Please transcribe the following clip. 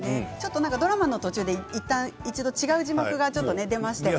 ドラマの途中でいったん違う字幕が出まして。